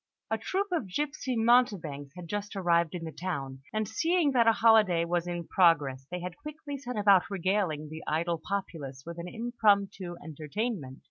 A troupe of gipsy mountebanks had just arrived in the town, and seeing that a holiday was in progress, they had quickly set about regaling the idle populace with an impromptu entertainment.